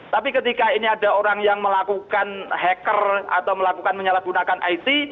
tapi ketika ini ada orang yang melakukan hacker atau melakukan menyalahgunakan it